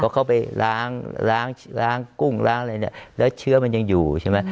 เขาไปล้างกุ้งอะไรแล้วเชื้อมันยังอยู่ใช่ไหม